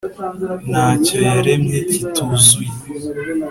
nta cyo yaremye kituzuye,